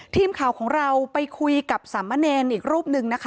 ทีมข่าวของเราไปคุยกับสามเณรอีกรูปนึงนะคะ